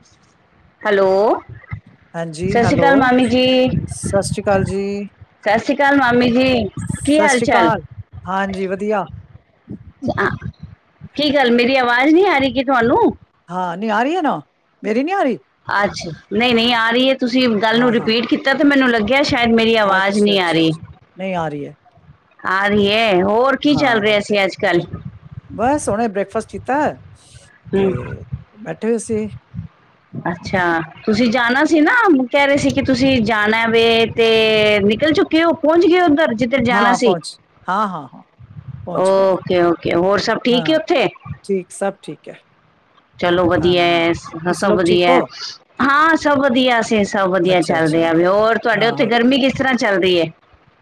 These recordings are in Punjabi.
ਅ ਹੈਲੋ ਹਾਂਜੀ ਸਤਿ ਸ਼੍ਰੀ ਹੈਲੋ ਅਕਾਲ ਮਾਮੀ ਜੀ ਸਤਿ ਸ੍ਰੀ ਅਕਾਲ ਜੀ ਸਤਿ ਸ਼੍ਰੀ ਅਕਾਲ ਮਾਮੀ ਜੀ ਕੀ ਸਤਿ ਹਾਲ ਸ੍ਰੀ ਚਾਲ ਅਕਾਲ ਹਾਂਜੀ ਵਧੀਆ [unintelligible] ਕੀ ਗੱਲ ਮੇਰੀ ਆਵਾਜ਼ ਨਹੀਂੀ ਆ ਰਹੀ ਕਿ ਤੁਹਾਨੂੰ ਹਾਂ ਨੀ ਆ ਰਹੀ ਹੈ ਨਾ ਮੇਰੀ ਨੀ ਆ ਰਹੀ ਅੱਛਾ ਨਹੀਂ ਨਹੀਂ ਆ ਰਹੀ ਹੈ ਤੁਸੀਂ ਗੱਲ ਨੂੰ ਹਾਂ ਹਾਂ ਰਿਪੀਟ ਕੀਤਾ ਮੈਨੂੰ ਲੱਗਿਆ ਕਿਹਾ ਸ਼ਾਇਦ ਮੇਰੀ ਆਵਾਜ਼ ਅੱਛਾ ਨਹੀਂ ਆ ਅੱਛਾ ਰਹੀ ਅੱਛਾ ਨਹੀਂ ਆ ਰਹੀ ਹੈ ਆ ਰਹੀ ਹੋਰ ਕੀ ਚੱਲ ਹਾਂ ਰਿਹਾ ਸੀ ਅੱਜ ਕੱਲ ਬਸ ਹੁਣੇ [unintelligible] ਤੇ ਬੈਠੇ ਸੀ ਅੱਛਾ ਤੁਸੀਂ ਜਾਣਾ ਸੀ ਨਾ ਕਹਿ ਰਹੇ ਸੀ ਕਿ ਤੁਸੀਂ ਜਾਣਾ ਵੇ ਤੇ ਨਿਕਲ ਚੁੱਕੇ ਹੋ ਪਹੁੰਚ ਗਏ ਉੱਧਰ ਜਿੱਧਰ ਜਾਣਾ ਹਾਂ ਸੀ ਪਹੁੰਚ ਹਾਂ ਹਾਂ ਹਾਂ ਪਹੁੰਚ ਗਏ ਓਕੇ ਓਕੇ ਹੋਰ ਸਭ ਠੀਕ ਉੱਥੇ [unintelligible] ਚਲੋ ਵਧੀਆ ਹੈ ਸਭ ਵਧੀਆ ਹਾਂ ਸਭ ਵਧੀਆ ਅਸੀਂ ਸਭ ਵਧੀਆ ਚੱਲਦੇ ਆ ਵੀ ਹੋਰ ਤੁਹਾਡੇ ਉੱਥੇ ਗਰਮੀ ਕਿਸ ਤਰ੍ਹਾਂ ਚੱਲਦੀ ਹੈ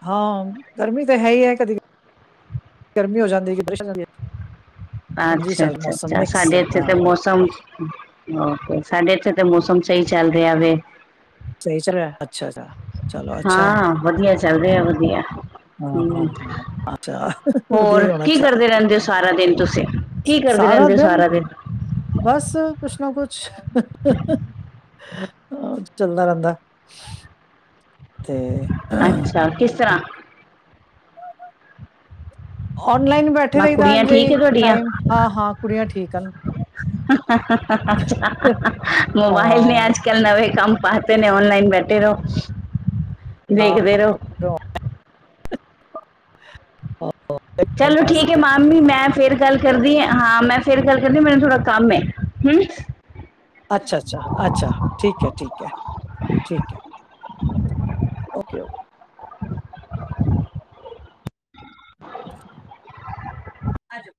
ਹਾਂ ਗਰਮੀ ਤਾਂ ਹੈ ਹੀ ਹੈ ਕਦੀ ਗਰਮੀ ਹੋ ਜਾਂਦੀ ਕਿ ਬਾਰਿਸ਼ ਹੋ ਜਾਂਦੀ ਅੱਛਾ ਅੱਛਾ ਅੱਛਾ ਸਾਡੇ ਇੱਥੇ ਤੇ ਮੌਸਮ ਸਾਡੇ ਇੱਥੇ ਤਾਂ ਮੌਸਮ ਸਹੀ ਚੱਲ ਰਿਹਾ ਵੈ ਸਹੀ ਚੱਲ ਅੱਛਾ ਅੱਛਾ ਹਾਂ ਵਧੀਆ ਚੱਲ ਰਿਆ ਵਧੀਆ ਹਾਂ, ਹਾਂ, ਹਮ ਹਾਂ ਅੱਛਾ ਵਧੀਆ ਹੋਰ ਹੀ ਹੋਣਾ ਕੀ ਚਾਹੀਦਾ। ਕਰਦੇ ਰਹਿੰਦੇ ਹੋ ਸਾਰਾ ਦਿਨ ਤੁਸੀਂ ਕੀ ਕਰਦੇ ਰਹਿੰਦੇ ਹੋ ਸਾਰਾ ਦਿਨ ਬਸ ਕੁਛ ਨਾ ਕੁਛ ਚੱਲਦਾ ਰਹਿੰਦਾ ਤੇ ਅੱਛਾ ਕਿਸ ਤਰ੍ਹਾਂ ਔਨਲਾਈਨ ਬੈਠੇ ਮੈਂ ਰਹੀ ਦਾ ਕੁੜੀਆਂ ਠੀਕ ਹਾਂਜੀ ਹੈ ਤੁਹਾਡੀਆਂ ਟਾਈਮ ਹਾਂ ਹਾਂ ਕੁੜੀਆਂ ਠੀਕ ਹਨ ਹਮ ਮੋਬਾਈਲ ਨੇ ਹਾਂ, ਅੱਜ ਕੱਲ੍ਹ ਨਵੇਂ ਕੰਮ ਪਾਤੇ ਨੇ ਔਨਲਾਈਨ ਬੈਠੇ ਰਹੋ ਹਾਂ ਦੇਖਦੇ ਰਹੋ ਟਾਈਮ ਚਲੋ ਪਾਸ ਠੀਕ ਹੈ ਮਾਮੀ ਮੈਂ ਫੇਰ ਗੱਲ ਕਰਦੀ ਹਾਂ ਹਾਂ ਮੈਂ ਫੇਰ ਗੱਲ ਕਹਿੰਦੇ ਮੇਨੂੰ ਥੋੜਾ ਕੰਮ ਹੈ ਹਮ ਅੱਛਾ ਅੱਛਾ ਅੱਛਾ ਠੀਕ ਹੈ ਠੀਕ ਹੈ ਠੀਕ ਹੈ ਓਕੇ ਓਕੇ [unintelligible]